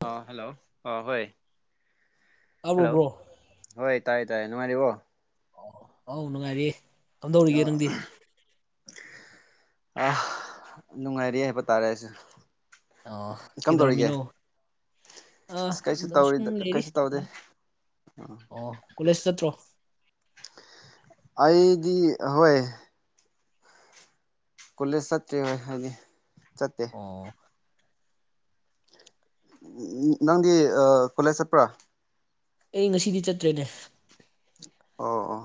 ꯑ ꯍꯜꯂꯣ ꯑ ꯍꯣꯏ ꯇꯥꯕ꯭ꯔꯣ ꯍꯜꯂꯣ ꯕ꯭ꯔꯣ ꯍꯣꯏ ꯇꯥꯏ ꯇꯥꯏꯌꯦ ꯅꯨꯡꯉꯥꯏꯔꯤꯕꯣ ꯑꯣ ꯑꯧ ꯅꯨꯡꯉꯥꯏꯔꯤꯌꯦ ꯀꯝꯗꯧꯔꯤꯒꯦ ꯅꯪꯗꯤ ꯑ ꯅꯨꯡꯉꯥꯏꯔꯤ ꯍꯥꯏꯕ ꯇꯥꯔꯦ ꯑꯩꯁꯨ ꯑꫭ ꯀꯝ ꯇꯧꯔꯤꯒꯦ ꯀꯗꯧꯔꯝꯃꯤꯅꯣ ꯑꯥ ꯑꯁ ꯀꯩꯁꯨ ꯑ ꯁꯨꯝ ꯇꯧꯔꯤꯗ ꯂꯩꯔꯤ ꯀꯩꯁꯨ ꯇꯧꯗꯦ ꯁꯃꯥꯏꯅ ꯑꯣ ꯀꯣꯂꯦꯖ ꯆꯠꯇ꯭ꯔꯣ ꯑꯩꯗꯤ ꯍꯣꯏ ꯀꯣꯂꯦꯖ ꯆꯠꯇ꯭ꯔꯦ ꯉꯁꯥꯏꯗꯤ ꯑꯣ ꯅꯪꯗꯤ ꯀꯣꯂꯦꯖ ꯆꯠꯄ꯭ꯔ ꯑꯩ ꯉꯁꯤꯗꯤ ꯆꯠꯇ꯭ꯔꯦꯅꯦ ꯑꯣ ꯑꯣ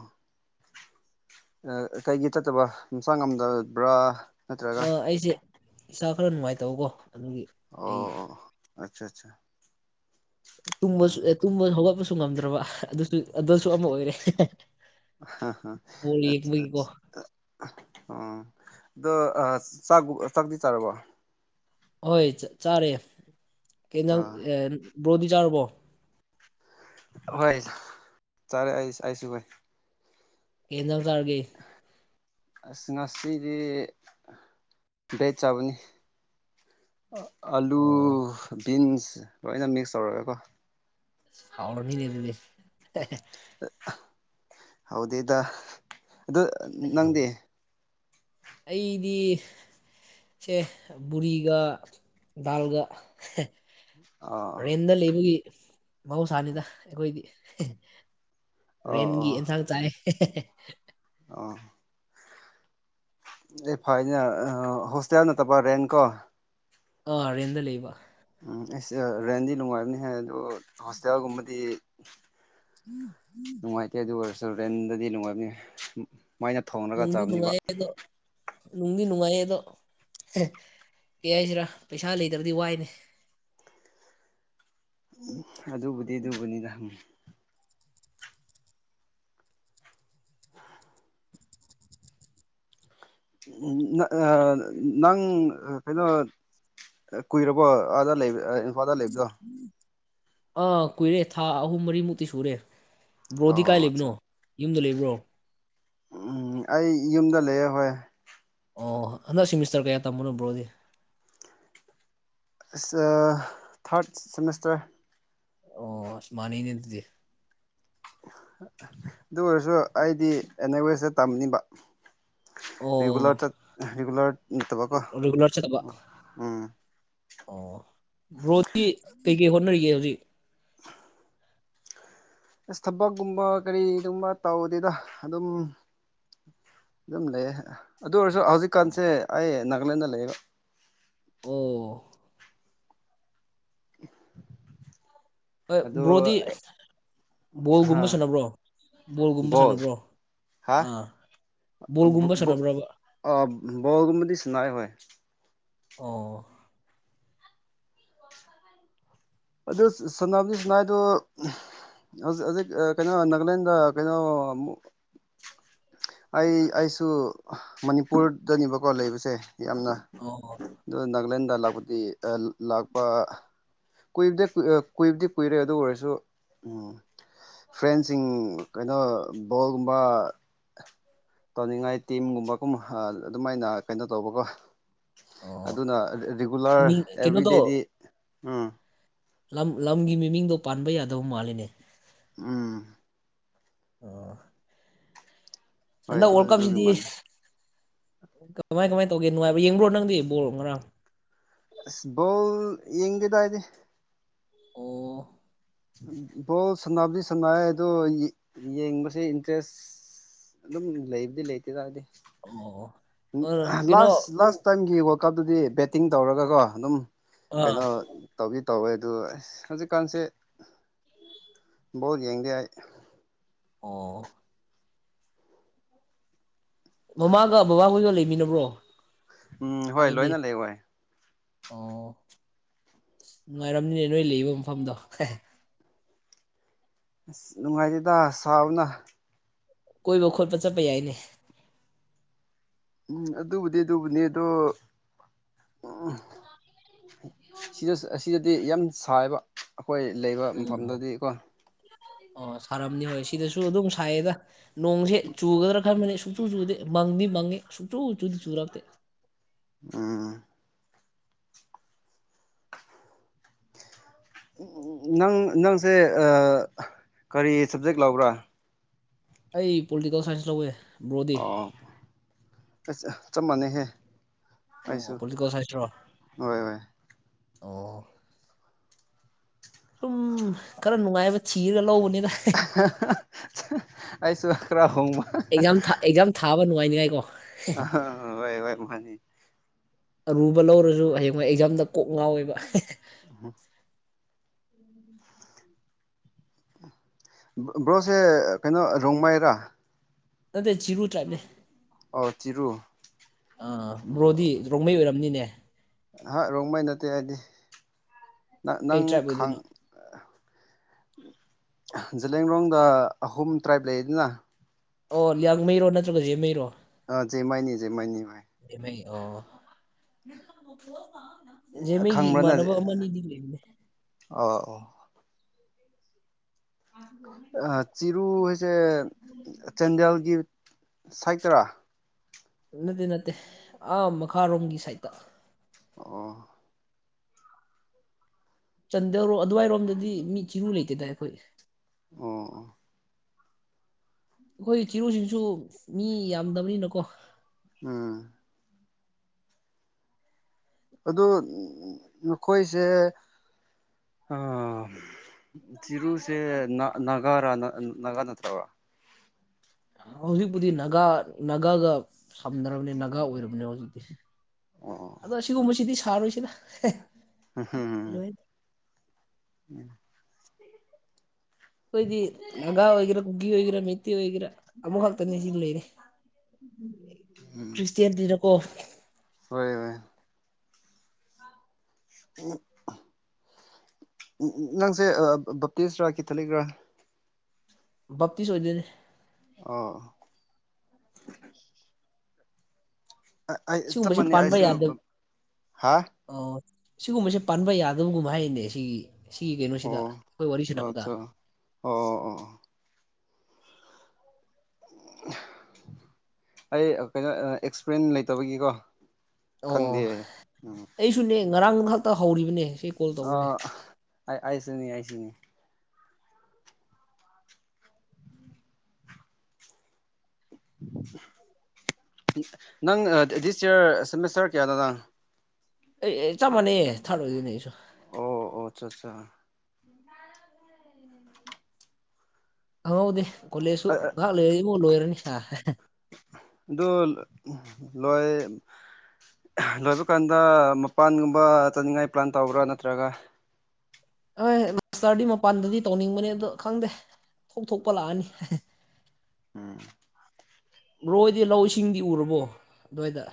ꯀꯩꯒꯤ ꯆꯠꯇꯕ ꯂꯝꯁꯥꯡ ꯉꯝꯗꯕ꯭ꯔꯥ ꯅꯠꯇ꯭ꯔꯒ ꯑꯥ ꯑꯩꯁꯦ ꯏꯁꯥ ꯈꯔ ꯅꯨꯡꯉꯥꯏꯇꯧꯕꯀꯣ ꯑꯣ ꯑꯆꯥ ꯑꯠꯆꯥ ꯕꯁꯨ ꯎꯝ ꯇꯨꯝꯕ ꯍꯧꯒꯠꯄꯁꯨ ꯉꯝꯗ꯭ꯔꯕ ꯑꯗꯨꯁꯨ ꯑꯗꯨꯁꯨ ꯑꯃ ꯑꯣꯏꯔꯦ ꯕꯣꯜ ꯌꯦꯡꯕꯒꯤꯀꯣ ꯑ ꯎ ꯑꯗꯣ ꯆꯥꯛ ꯆꯥꯛꯇꯤ ꯆꯥꯔꯕꯣ ꯍꯣꯏ ꯆꯥꯔꯦ ꯀꯪ ꯑ ꯕ꯭ꯔꯣꯗꯤ ꯆꯥꯔꯕꯣ ꯍꯣꯏ ꯆꯥꯔꯦ ꯑꯩ ꯑꯩꯁꯨ ꯍꯥꯏ ꯀꯦꯟꯗ꯭ꯔꯝ ꯁꯥꯔꯒꯦ ꯑꯅꯥꯅꯥꯁꯤꯦꯗꯤ ꯕꯦ ꯆꯕꯨꯅꯤ ꯑꯂꯨ ꯑꯣ ꯕꯤꯟꯁ ꯂꯣꯏꯅ ꯃꯤꯛꯁ ꯇꯧꯔꯒꯦꯀꯣ ꯍꯥꯎꯔꯅꯤ ꯅꯗꯗꯤ ꯍꯗꯗ ꯑ ꯅꯪꯗꯤ ꯑꯩꯗꯤ ꯁ ꯔꯤꯒ ꯗꯜꯒ ꯑꯥ ꯔꯦꯟꯗ ꯂꯩꯕꯒꯤ ꯃꯍꯧꯁꯥꯅꯤꯗ ꯑꯩꯈꯣꯏꯗꯤ ꯑꯣ ꯔꯦꯟꯒꯤ ꯑꯣ ꯑꯦꯟꯁꯥꯡ ꯆꯥꯏ ꯑꯣ ꯑꯦ ꯐꯅꯦ ꯍꯣꯁꯇꯦꯜ ꯅꯠꯇꯕ ꯔꯦꯟ ꯀꯣ ꯑ ꯑꯔꯦꯟꯗ ꯂꯩꯕ ꯎꯝ ꯑꯩꯁ ꯔꯦꯟꯗꯤ ꯅꯨꯡꯉꯥꯏꯕꯅꯤ ꯍꯥꯏ ꯑꯗꯣ ꯍꯣꯁꯇꯦꯜꯒꯨꯝꯕꯗꯤ ꯅꯨꯡꯉꯥꯏꯇꯦ ꯑꯗꯨꯒ ꯑꯣꯏ ꯆ ꯔꯦꯟꯗꯗꯤ ꯅꯨꯡꯉꯥꯏꯕꯅꯤ ꯁꯨꯃꯥꯏꯅ ꯊꯣꯡꯅꯒ ꯅꯨꯡꯗꯤ ꯆꯥꯝꯅꯤꯕ ꯅꯨꯡꯉꯥꯏꯌꯦ ꯑꯗꯣ ꯅꯨꯡꯗꯤ ꯅꯨꯡꯉꯥꯏꯌꯦ ꯑꯗꯣ ꯀ ꯍꯥꯏꯁꯤꯔꯥ ꯄꯩꯁꯥ ꯂꯩꯇꯕꯗꯤ ꯋꯥꯏꯅꯦ ꯎ ꯑꯗꯨꯕꯨꯗꯤ ꯑꯗꯨꯕꯨꯅꯤꯗꯪ ꯎꯝ ꯅꯪ ꯀꯩꯅꯣ ꯀꯨꯏꯔꯕꯣ ꯑꯥꯗ ꯂꯩ ꯏꯝꯐꯥꯜꯗ ꯂꯩꯕꯗꯣ ꯑꯥ ꯀꯨꯏꯔꯦ ꯊꯥ ꯑꯍꯨꯝ ꯃꯔꯤꯃꯨꯛꯇꯤ ꯁꯨꯔꯦ ꯕ꯭ꯔꯣꯗꯤ ꯀꯥꯏ ꯑꯣ ꯑꯠꯆꯥ ꯂꯩꯕꯅꯣ ꯌꯨꯝꯗ ꯂꯩꯕ꯭ꯔꯣ ꯎꯝ ꯑꯩ ꯌꯨꯝꯗ ꯂꯩꯌꯦꯦ ꯍꯣꯏ ꯑꯣ ꯍꯟꯗꯛ ꯁꯤꯃꯤꯁꯇꯔ ꯀꯌꯥ ꯇꯝꯕꯅꯣꯕ꯭ꯔꯣꯗꯤ ꯊꯥꯔꯠ ꯁꯃꯁꯇꯔ ꯑꯣ ꯑꯁ ꯃꯥꯟꯅꯅꯦ ꯑꯗꯨꯗꯤ ꯑꯗꯨ ꯑꯣꯏꯔꯁꯨ ꯑꯩꯗꯤ ꯑꯦꯅꯤ ꯋꯦꯁꯇ ꯇꯝꯅꯤꯡꯕ ꯔꯔꯤꯒꯨꯂꯔ ꯑꯣ ꯆ ꯔꯤꯒꯨꯂꯔ ꯅꯠꯇꯕꯀꯣ ꯔꯤꯒꯨꯂꯔ ꯆꯠꯇꯕ ꯎ ꯎꯝ ꯑꯣ ꯣꯗꯤ ꯀꯩꯀꯩ ꯍꯣꯠꯅꯔꯤꯒꯦ ꯍꯧꯖꯤꯛ ꯑꯁ ꯊꯕꯛꯀꯨꯝꯕ ꯀꯔꯤꯒꯨꯝꯕ ꯇꯧꯗꯗ ꯑꯗꯨꯝ ꯑꯗꯨꯝ ꯂꯩ ꯑꯗꯨ ꯑꯣꯏꯔꯁꯨ ꯍꯧꯖꯤꯛꯀꯥꯟꯁꯦ ꯑꯣ ꯑꯩ ꯅꯥꯒꯥꯂꯦꯟꯗ ꯂꯩꯌꯦꯕ ꯑꯣ ꯑꯣ ꯑꯗꯣ ꯕ꯭ꯔꯣꯗꯤ ꯍꯥ ꯕꯣꯜꯒꯨꯝꯕ ꯁꯥꯟꯅꯕ꯭ꯔꯣ ꯕꯣꯜꯒꯨꯝꯕ ꯁꯥꯟꯅꯕ꯭ꯔꯣ ꯑꯥ ꯕꯣꯜꯒꯨꯝꯕ ꯁꯥꯟꯅꯕ꯭ꯔꯕ ꯑꯣꯜꯒꯕꯗꯤ ꯁꯅꯥꯏ ꯍ ꯑꯣ ꯑꯗꯨ ꯁꯝꯗꯤ ꯁꯅꯥꯗꯣ ꯀꯩꯅꯣ ꯅꯒꯂꯦꯟꯗ ꯀꯩꯅꯣ [inaudible] ꯑꯩ ꯑꯩꯁꯨ ꯃꯅꯤꯄꯨꯔꯗꯅꯦꯕꯀꯣ ꯂꯩꯕꯁꯦ ꯌꯥꯝꯅ ꯑꯣ ꯑꯗꯨ ꯅꯥꯒꯥꯂꯦꯟꯗ ꯂꯥꯛꯄꯗꯤ ꯂꯥꯛꯄ ꯀꯨꯏꯕꯗꯤ ꯀꯨꯏꯕꯗꯤ ꯀꯨꯏꯔꯦ ꯑꯗꯨ ꯑꯣꯏꯔꯁꯨ ꯎꯝ ꯐ꯭ꯔꯦꯟꯁꯤꯡ ꯀꯩꯅꯣ ꯕꯣꯜꯒꯨꯝꯕ ꯇꯧꯅꯤꯡꯉꯥꯏ ꯇꯤꯝꯒꯨꯝꯕꯒꯨꯝ ꯑꯗꯨꯃꯥꯏꯅ ꯀꯩꯅꯣ ꯇꯧꯕꯀꯣ ꯑꯣ ꯑꯗꯨꯅ ꯔꯤꯒꯨꯂꯔ ꯃꯤꯡ ꯀꯩꯅꯣꯗꯣ ꯑꯦꯕ꯭ꯔꯤꯗꯦꯗꯤ ꯎꯝ ꯂꯝ ꯂꯝꯒꯤ ꯃꯤꯃꯤꯡꯗꯣ ꯄꯥꯟꯕ ꯌꯥꯗꯕ ꯃꯥꯜꯂꯤꯅꯦ ꯎꯝ ꯑ ꯍꯣꯏ ꯍꯟꯗꯛ ꯑꯗꯨ ꯋꯥꯔꯜ ꯑꯗꯨꯒꯤ ꯀꯞꯁꯤꯗꯤ ꯃꯥꯜꯂꯦ ꯀꯃꯥꯏ ꯀꯃꯥꯏ ꯇꯧꯒꯦ ꯅꯨꯡꯉꯥꯏꯕ ꯌꯦꯡꯕ꯭ꯔꯣ ꯅꯪꯗꯤ ꯕꯣꯜ ꯉꯔꯥꯡ ꯕꯣꯜ ꯌꯦꯡꯗꯦꯗ ꯑꯩꯗꯤ ꯑꯣ ꯕꯣꯜ ꯁꯥꯟꯅꯕꯗꯤ ꯁꯥꯟꯅꯩ ꯑꯗꯣ ꯌꯦꯡꯕꯁꯦ ꯏꯟꯇꯔꯦꯁ ꯑꯗꯨꯝ ꯂꯩꯕꯨꯗꯤ ꯂꯩꯇꯦ [unintelligible] ꯇꯥꯔꯗꯤ ꯑꯣ ꯑ ꯀꯩꯅꯣ ꯂꯥꯁ ꯂꯥꯁ ꯇꯥꯏꯃꯤꯡꯒꯤ ꯀꯞꯇꯗꯤ ꯕꯦꯇꯤꯡ ꯇꯧꯔꯒꯀꯣ ꯑꯗꯨꯝ ꯑ ꯀꯩꯅꯣ ꯇꯧꯕꯤ ꯇꯧꯋꯦ ꯑꯗꯨ ꯍꯧꯖꯤꯛꯀꯥꯟꯁꯦ ꯕꯣꯜ ꯌꯦꯡꯗꯦ ꯑꯩ ꯑꯣ ꯃꯃꯥꯒ ꯕꯕꯥꯍꯣꯏꯒ ꯂꯩꯃꯤꯟꯅꯕ꯭ꯔꯣ ꯎꯝ ꯍꯣꯏ ꯂꯣꯏꯅ ꯂꯩꯏ ꯑꯣꯥ ꯅꯨꯡꯉꯥꯏꯔꯝꯅꯤꯅꯦ ꯅꯣꯏ ꯂꯩꯕ ꯃꯐꯝꯗꯣ ꯑꯁ ꯅꯨꯡꯉꯥꯏꯇꯦꯗ ꯁꯥꯕꯅ ꯀꯣꯏꯕꯈꯣꯠꯄ ꯆꯠꯄ ꯌꯥꯏꯅꯦ ꯎꯝ ꯑꯗꯨꯕꯨꯗꯤ ꯑꯗꯨꯕꯨꯅꯦ ꯑꯗꯣ ꯁꯤꯗ ꯑꯁꯤꯗꯗꯤ ꯌꯥꯝ ꯁꯥꯏꯕ ꯑꯩꯈꯣꯏ ꯂꯩꯕ ꯎꯝ ꯃꯐꯝꯗꯗꯤꯀꯣ ꯑꯣ ꯁꯥꯔꯝꯅꯤ ꯍꯣꯏ ꯁꯤꯗꯁꯨ ꯑꯗꯨꯝ ꯁꯥꯏꯌꯦꯗ ꯅꯣꯡꯁꯦ ꯆꯨꯒꯗ꯭ꯔꯥ ꯈꯟꯕꯅꯤ ꯁꯨꯛꯆꯨ ꯆꯨꯗꯦ ꯃꯪꯗꯤ ꯃꯪꯉꯤ ꯁꯨꯛꯆꯨ ꯆꯨꯗꯤ ꯆꯨꯔꯛꯇꯦ ꯎꯝ ꯅꯪ ꯅꯪꯁꯦ ꯀꯔꯤ ꯁꯕꯖꯦꯛ ꯂꯧꯕ꯭ꯔꯥ ꯑꯩ ꯄꯣꯜꯇꯤꯀꯦꯜ ꯁꯥꯏꯟꯁ ꯂꯧꯋꯦ ꯕ꯭ꯔꯣꯗꯤ ꯑꯣ ꯑꯁ ꯆꯞ ꯃꯥꯟꯅꯩꯍꯦ ꯑꯩꯁꯨ ꯑꯣ ꯄꯣꯜꯂꯤꯇꯤꯀꯦꯜ ꯁꯥꯏꯟꯁ꯭ꯔꯣ ꯍꯣꯏ ꯍꯣꯏ ꯑꯣ ꯁꯨꯝ ꯈꯔ ꯅꯨꯡꯉꯥꯏꯕ ꯊꯤꯔꯒ ꯂꯧꯕꯅꯤ ꯑꯩꯁꯨ ꯈ꯭ꯔꯥ ꯍꯣꯃ ꯑꯦꯛꯖꯥꯝ ꯑꯦꯛꯖꯥꯝ ꯊꯥꯕ ꯅꯨꯡꯉꯥꯏꯅꯤꯉꯥꯏꯀꯣ ꯑ ꯋꯥꯏ ꯋꯥꯏ ꯃꯥꯅꯤ ꯑꯔꯨꯕ ꯂꯧꯔꯁꯨ ꯍꯌꯦꯡꯋꯥꯏ ꯑꯦꯛꯖꯥꯝꯗ ꯀꯣꯛ ꯉꯥꯎꯋꯦꯕ ꯕ꯭ꯔꯣꯁꯦ ꯀꯩꯅꯣ ꯔꯣꯡꯃꯩꯔꯥ ꯅꯠꯇꯦ ꯆꯤꯔꯨ ꯇꯥ꯭ꯔꯥꯏꯞꯅꯦ ꯑꯣ ꯆꯤꯔꯨ ꯑ ꯕ꯭ꯔꯣꯗꯤ ꯔꯣꯡꯃꯩ ꯑꯣꯏꯔꯝꯅꯤꯅꯦ ꯍꯥ ꯔꯣꯡꯃꯩ ꯅꯠꯇꯦ ꯑꯩꯗꯤ ꯅꯪ ꯀꯩ ꯅꯪ ꯇ꯭ꯔꯥꯏꯞ ꯈꯥꯡ ꯑꯣꯏꯗꯣꯏꯅꯣ ꯖꯂꯤꯌꯥꯡꯔꯣꯡꯗ ꯑꯍꯨꯝ ꯇ꯭ꯔꯥꯏꯞ ꯂꯩꯗꯅ ꯑꯣ ꯂꯤꯌꯥꯡꯃꯩꯔꯣ ꯅꯠꯇ꯭ꯔꯒ ꯖꯦꯟꯃꯩꯔꯣ ꯑ ꯖꯦꯟꯃꯩꯅꯤ ꯖꯦꯟꯃꯩꯅꯤ ꯚꯥꯏ ꯖꯦꯃꯩ ꯑꯣ ꯖꯦꯟꯃꯩꯒꯤ ꯈꯪꯕ꯭ꯔꯅ ꯏꯃꯥꯟꯅꯕ ꯑꯃꯅꯤꯗꯤ ꯂꯩꯕꯅꯦ ꯑꯣ ꯆꯤꯔꯨ ꯍꯥꯏꯁꯦ ꯆꯥꯟꯗꯦꯜꯒꯤ ꯁꯥꯏꯠ ꯇꯔꯥ ꯅꯠꯇꯦ ꯅꯠꯇꯦ ꯑꯥ ꯃꯈꯥꯔꯣꯝꯒꯤ ꯁꯥꯠꯇ ꯑꯣ ꯆꯟꯗꯧꯔꯣ ꯑꯗꯨꯋꯥꯏꯔꯣꯝꯗꯗꯤ ꯃꯤ ꯆꯤꯅꯨ ꯂꯩꯇꯦꯗꯏ ꯑꯩꯈꯣꯏ ꯑꯣ ꯑꯩꯈꯣꯏ ꯆꯤꯔꯨꯁꯤꯡꯁꯨ ꯃꯤ ꯌꯥꯝꯗꯕꯅꯤꯅꯀꯣ ꯎꯝ ꯑꯗꯨ ꯅꯈꯣꯏꯁꯦ ꯆꯤꯔꯨꯁꯦ ꯅꯥꯒꯥꯔꯥ ꯅꯥꯒꯥ ꯅꯠꯇ꯭ꯔꯕ꯭ꯔ ꯍꯧꯖꯤꯛꯄꯨꯗꯤ ꯅꯥꯒꯥ ꯅꯥꯒꯥꯒ ꯁꯝꯅꯔꯕꯅꯤ ꯅꯥꯒꯥ ꯑꯣꯏꯔꯕꯅꯦ ꯍꯧꯖꯤꯛꯇꯤ ꯑꯣ ꯑꯗꯣ ꯑꯁꯤꯒꯨꯝꯕꯁꯤꯗꯤ ꯁꯥꯔꯣꯏꯁꯤꯅ ꯑꯨ ꯌꯨ ꯎꯝ ꯑꯩꯈꯣꯏꯗꯤ ꯒꯥ ꯑꯣꯏꯒꯦꯔ ꯃꯨꯒꯤ ꯑꯣꯏꯒꯦꯔꯥ ꯃꯩꯠꯇꯤ ꯑꯣꯏꯒꯦꯔꯥ ꯑꯃꯨꯛ ꯈꯛꯇꯅꯤ ꯁꯤ ꯂꯩꯔꯦ ꯈ꯭ꯔꯤꯁꯇꯌꯥꯟꯇꯔ ꯀꯣ ꯍꯣꯏ ꯍꯣꯏ ꯎ ꯎ ꯅꯪꯁꯦ ꯕꯞꯇꯤꯁꯔꯥ ꯀꯤꯊꯂꯤꯒ꯭ꯔꯥ ꯕꯞꯇꯤꯁ ꯑꯣꯏꯗꯧꯅꯦ ꯑꯣ ꯑꯩ ꯆꯞ ꯁꯤꯒꯨꯝꯕꯁ ꯃꯥꯟꯅꯩ ꯄꯥꯟꯕ ꯑꯩꯁꯨ ꯌꯥꯗꯕ ꯍꯥ ꯑꯣ ꯁꯤꯒꯨꯝꯕꯁꯦ ꯄꯥꯟꯕ ꯌꯥꯗꯕꯒꯨꯝꯕ ꯍꯥꯏꯅꯦ ꯁꯤꯒꯤ ꯁꯤꯒꯤ ꯀꯩꯅꯣꯁꯤꯗ ꯑꯣ ꯑꯩꯈꯣꯏ ꯋꯥꯔꯤ ꯁꯅꯕꯗ ꯑꯠꯆꯥ ꯑꯣ ꯑꯣ ꯑꯣ ꯑꯩ ꯀꯩꯅꯣ ꯑꯦꯛꯁꯄ꯭ꯔꯦꯟ ꯂꯩꯇꯕꯒꯤꯀꯣ ꯑꯣ ꯈꯪꯗꯦ ꯎꯝ ꯑꯩꯁꯨꯅꯦ ꯉꯔꯥꯡ ꯉꯍꯥꯛꯇ ꯍꯧꯔꯤꯕꯅꯦ ꯁꯤ ꯀꯣꯜ ꯇꯧꯕꯁꯦ ꯑꯩꯁꯨꯅꯤ ꯍꯥꯏꯁꯨꯅꯤ ꯅꯪ ꯗꯤꯁ ꯏꯌꯥꯔ ꯁꯦꯃꯤꯁꯇꯔ ꯀꯌꯥꯗꯅ ꯑꯦ ꯑꯦ ꯆꯠ ꯃꯥꯟꯅꯦꯩ ꯊꯥꯔ ꯑꯣꯏꯗꯅꯦꯁꯨ ꯑꯆꯥ ꯑꯠꯆꯥ ꯑꯥꯎꯗꯤ ꯀꯣꯂꯦꯁꯨ ꯉꯥꯏꯍꯥꯛ ꯂꯩꯔꯗꯤ ꯃꯨ ꯂꯣꯏꯔꯅꯤ ꯑ ꯎ ꯂꯣꯏꯕ ꯀꯥꯟꯗ ꯃꯄꯥꯟꯒꯨꯝꯕ ꯆꯠꯅꯤꯡꯉꯥꯏ ꯄ꯭ꯂꯥꯟ ꯇꯧꯕ꯭ꯔꯥ ꯅꯠꯇ꯭ꯔꯒ ꯍꯣꯏ ꯃꯥꯁꯇꯔꯗꯤ ꯃꯄꯥꯟꯗꯗꯤ ꯇꯧꯅꯤꯡꯕꯅꯦ ꯑꯗꯣ ꯈꯪꯗꯦ ꯊꯣꯛ ꯊꯣꯛꯄ ꯂꯥꯛꯑꯅꯤ ꯎꯝ ꯔꯣꯏꯗꯤ ꯂꯧ ꯏꯁꯤꯡꯗꯤ ꯎꯔꯕꯣ ꯑꯗꯨꯋꯥꯏꯗ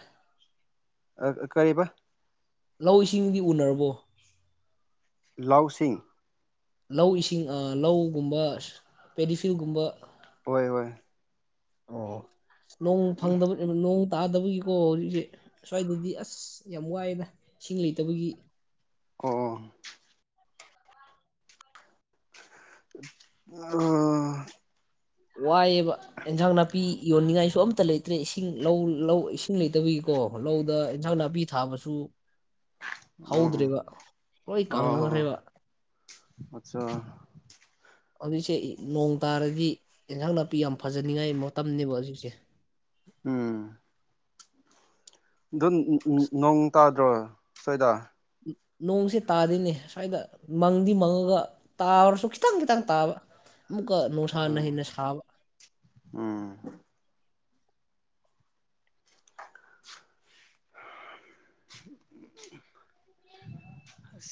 ꯀꯔꯤꯕ ꯂꯧꯁꯤꯡ ꯎꯅꯔꯕꯣ ꯂꯧꯁꯤꯡ ꯂꯧ ꯏꯁꯤꯡ ꯂꯧꯒꯨꯝꯕ ꯄꯦꯗꯤꯐꯤꯜꯒꯨꯝꯕ ꯍꯣꯏ ꯍꯣꯏ ꯑꯣ ꯅꯣꯡ ꯐꯪꯗꯕ ꯇꯥꯗꯕꯒꯤꯀꯣ ꯍꯧꯖꯤꯛꯁꯦ ꯁ꯭ꯋꯥꯏꯗꯗꯤ ꯑꯁ ꯌꯥꯝ ꯋꯥꯏꯅ ꯏꯁꯤꯡ ꯂꯩꯇꯕꯒꯤ ꯑꯣ ꯑ ꯋꯥꯏꯑꯕ ꯑꯦꯟꯁꯥꯡ ꯅꯥꯄꯤ ꯌꯣꯟꯅꯤꯡꯉꯥꯏꯁꯨ ꯑꯝꯇ ꯂꯩꯇ꯭ꯔꯦ ꯏꯁꯤꯡ ꯂꯧ ꯂꯧ ꯏꯁꯤꯡ ꯂꯩꯇꯕꯒꯤꯀꯣ ꯂꯧꯗ ꯏꯟꯖꯥꯡ ꯅꯥꯄꯤ ꯊꯥꯕꯁꯨ ꯑꯣ ꯍꯧꯗ꯭ꯔꯦꯕ ꯍꯣꯏ ꯑꯣ ꯀꯪꯅꯈ꯭ꯔꯦꯕ ꯑꯠꯆꯥ ꯍꯧꯖꯤꯛꯁꯦ ꯅꯣꯡ ꯇꯥꯔꯗꯤ ꯏꯟꯁꯥꯡ ꯅꯥꯄꯤ ꯌꯥꯝ ꯐꯖꯅꯤꯉꯥꯏ ꯃꯇꯝꯅꯤꯅꯦꯕ ꯍꯧꯖꯤꯛꯁꯦ ꯎꯝ ꯑꯗꯨ ꯑꯁ ꯅꯣꯡ ꯇꯥꯗ꯭ꯔꯣ ꯁꯣꯏꯗ ꯅꯣꯡꯁꯦ ꯇꯥꯗꯣꯏꯅꯦ ꯁ꯭ꯋꯥꯏꯗ ꯃꯪꯗꯤ ꯃꯪꯉꯒ ꯇꯥꯔꯁꯨ ꯈꯤꯇꯪ ꯈꯤꯇꯪ ꯇꯥꯕ ꯛꯀ ꯅꯨꯡꯁꯥ ꯎꯝ ꯅ ꯁꯥꯕ ꯎꯝ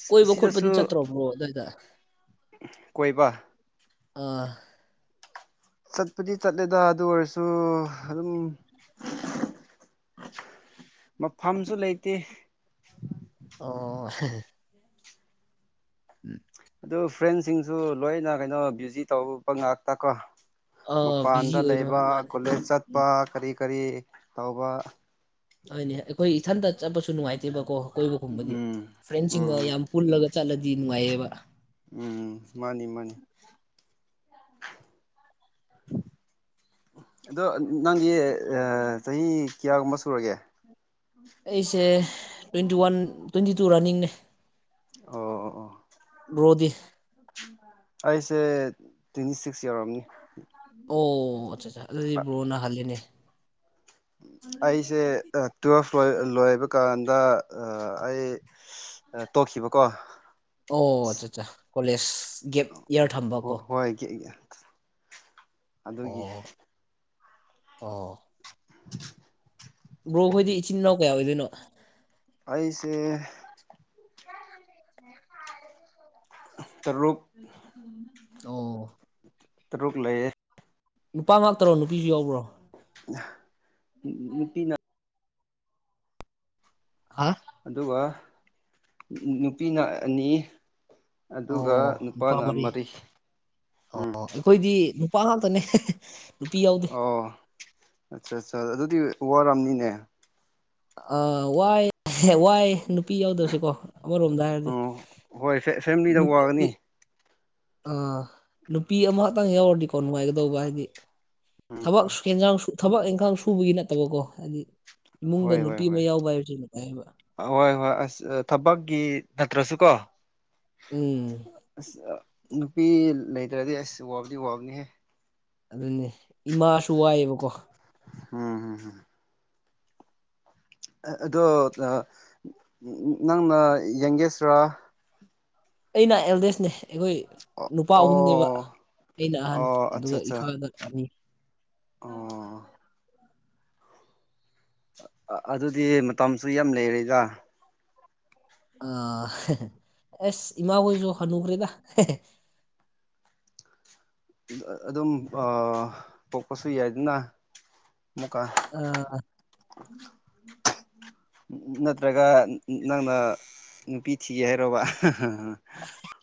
ꯀꯣꯏꯕ ꯈꯣꯠꯄꯗꯤ ꯁꯤꯗꯁꯨ ꯆꯠꯇ꯭ꯔꯣ ꯕ꯭ꯔꯣ ꯑꯗꯨꯋꯥꯏꯗ ꯀꯣꯏꯕ ꯑꯥ ꯆꯠꯄꯗꯤ ꯆꯠꯂꯦꯗ ꯑꯗꯨ ꯑꯣꯏꯔꯁꯨ ꯑꯗꯨꯝ ꯃꯐꯝꯁꯨ ꯂꯩꯇꯦ ꯑꯣ ꯎꯝ ꯑꯗꯨ ꯐ꯭ꯔꯦꯟꯁꯤꯡꯁꯨ ꯂꯣꯏꯅ ꯀꯩꯅꯣ ꯕ꯭ꯌꯨꯖꯤ ꯇꯧꯕ ꯉꯥꯛꯇ ꯀꯣ ꯑꯥ ꯕꯤꯖꯤ ꯃꯄꯥꯟꯗ ꯑꯣꯏꯕ ꯂꯩꯕ ꯃꯥꯜꯂꯦ ꯀꯣꯂꯦꯖ ꯎꯝ ꯆꯠꯄ ꯀꯔꯤ ꯀꯔꯤ ꯇꯧꯕ ꯑꯗꯨꯅꯦ ꯑꯩꯈꯣꯏ ꯏꯊꯟꯇ ꯆꯠꯄꯁꯨ ꯅꯨꯡꯉꯥꯏꯇꯦꯕꯀꯣ ꯑꯀꯣꯏꯕꯒꯨꯝꯕꯗꯤ ꯎꯝ ꯐ꯭ꯔꯦꯟꯁꯤꯡꯒ ꯎꯝ ꯌꯥꯝ ꯄꯨꯜꯂꯒ ꯆꯠꯂꯗꯤ ꯅꯨꯡꯉꯥꯏꯌꯦꯕ ꯎꯝ ꯃꯥꯅꯤ ꯃꯥꯅꯤ [unintelligible] ꯑꯗꯣ ꯅꯪꯒꯤ ꯆꯍꯤ ꯀꯌꯥꯒꯨꯝꯕ ꯁꯨꯔꯒꯦ ꯑꯩꯁꯦ ꯇ꯭ꯋꯦꯟꯇꯤ ꯋꯥꯟ ꯇ꯭ꯋꯦꯟꯇꯤ ꯇꯨ ꯔꯟꯅꯤꯡꯅꯦ ꯑꯣ ꯑꯣ ꯑꯣ ꯔꯣꯗꯤ ꯑꯩꯁꯦ ꯇ꯭ꯋꯦꯟꯇꯤ ꯁꯤꯛꯁ ꯏꯔꯝꯅꯤ ꯑꯣ ꯑꯠꯆꯥ ꯑꯆꯥ ꯑꯗꯨꯗꯤ ꯕ꯭ꯔꯣꯅꯍꯜꯂꯤꯅꯦ ꯑꯩꯁꯦ ꯇꯨꯋꯦꯜꯐ ꯂꯣꯏꯕ ꯀꯥꯟꯗ ꯑ ꯑꯩ ꯇꯣꯛꯈꯤꯕꯀꯣ ꯑꯣ ꯑꯆꯥ ꯑꯠꯆꯥ ꯀꯣꯂꯦꯖ ꯒꯦꯠ ꯏꯌꯥꯔ ꯊꯝꯕ ꯀꯣ ꯍꯣꯏ ꯑꯗꯨꯒꯤ ꯑ [unintelligible] ꯕ꯭ꯔꯣ ꯑꯩꯈꯣꯏꯗꯤ ꯏꯆꯤꯟ ꯏꯅꯥꯎ ꯀꯌꯥ ꯑꯣꯏꯗꯣꯏꯅꯣ ꯑꯩꯁꯦ ꯇꯔꯨ ꯑꯣ ꯔꯨꯛ ꯂꯩ ꯅꯨꯄꯥ ꯉꯥꯛꯇꯔꯣ ꯅꯨꯄꯤꯁꯨ ꯌꯥꯎꯕ꯭ꯔꯣ ꯅꯨꯄꯤꯅ ꯍꯥ ꯑꯗꯨꯒ ꯅꯨꯄꯤꯅ ꯑꯅꯤ ꯑꯗꯨꯒ ꯑꯣ ꯅꯨꯄꯥ ꯅꯨꯄꯥꯅ ꯃꯔꯤ ꯑꯣ ꯎꯝ ꯑꯩꯈꯣꯏꯗꯤ ꯅꯨꯄꯥ ꯉꯥꯛꯇꯅꯦ ꯅꯨꯄꯤ ꯌꯥꯎꯗꯦ ꯑꯣ ꯑꯠꯆꯥ ꯑꯠꯆꯥ ꯑꯗꯨꯗꯤ ꯋꯥꯔꯝꯅꯤꯅꯦ ꯑ ꯋꯥꯏ ꯋꯥꯏ ꯅꯨꯄꯤ ꯌꯥꯎꯗ꯭ꯔꯁꯤꯀꯣ ꯑꯃꯔꯣꯝꯗ ꯍꯥꯏꯔꯗꯤ ꯎꯝ ꯍꯣꯏ ꯐꯦꯃꯤꯂꯤꯗ ꯅꯨꯄꯤ ꯋꯥꯒꯅꯤ ꯑꯥ ꯅꯨꯄꯤ ꯑꯃꯈꯛꯇꯪ ꯌꯥꯎꯔꯗꯤꯀꯣ ꯅꯨꯡꯉꯥꯏꯒꯗꯧꯕ ꯍꯥꯏꯗꯤ ꯊꯕꯛ ꯌꯦꯟꯁꯥꯡ ꯊꯕꯛ ꯏꯟꯈꯥꯡ ꯁꯨꯕꯒꯤ ꯅꯠꯇꯕꯀꯣ ꯍꯥꯏꯗꯤ ꯏꯃꯨꯡꯗ ꯍꯣꯏ ꯍꯣꯏ ꯅꯨꯄꯤ ꯑꯃ ꯍꯣꯏ ꯌꯥꯎꯕ ꯍꯥꯏꯕꯁꯤ ꯅꯨꯡꯉꯥꯏꯌꯦꯕ ꯍꯣꯏ ꯍꯣꯏ ꯑꯁ ꯊꯕꯛꯀꯤ ꯅꯠꯇ꯭ꯔꯁꯨ ꯀꯣ ꯎꯝ ꯅꯨꯄꯤ ꯂꯩꯇ꯭ꯔꯗꯤ ꯑꯁ ꯋꯥꯕꯗꯤ ꯋꯥꯕꯅꯤꯍꯦ ꯑꯗꯨꯅꯦ ꯏꯃꯥꯁꯨ ꯋꯥꯏꯑꯕꯀꯣ ꯎꯝ ꯍꯝꯝ ꯑꯗꯣ ꯅꯪꯅ ꯌꯦꯡꯒꯦꯁ꯭ꯔꯥ ꯑꯩꯅ ꯑꯦꯜꯗꯦꯁꯅꯦ ꯑꯩꯈꯣꯏ ꯅꯨꯄꯥ ꯑꯣ ꯑꯍꯨꯝꯅꯦꯕ ꯑꯩꯅ ꯑꯍꯟ ꯑꯣ ꯑꯠꯆꯥ ꯑꯗꯨꯒ ꯑꯠꯆꯥ ꯏꯈꯥꯗ ꯑꯅꯤ꯫ ꯑꯣ [unintelligible] ꯑꯗꯨꯗꯤ ꯃꯇꯝꯁꯨ ꯌꯥꯝ ꯂꯩꯔꯤꯗ꯫ ꯑ ꯑꯦꯁ ꯏꯃꯥ ꯍꯣꯏꯁꯨ ꯍꯅꯨꯈ꯭ꯔꯦꯗ ꯍꯦꯍꯦ꯫ ꯑꯗꯨꯝ ꯑꯥ ꯄꯣꯛꯄꯁꯨ ꯌꯥꯏꯗꯅ꯫ ꯑꯃꯨꯛꯀ ꯑꯥ꯫ ꯅꯠꯇ꯭ꯔꯒ ꯅꯪꯅ ꯅꯨꯄꯤ ꯊꯤꯒꯦ ꯍꯥꯏꯔꫭꯕ꯫